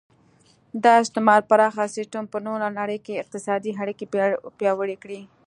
د استعمار پراخه سیسټم په ټوله نړۍ کې اقتصادي اړیکې پیاوړې کړې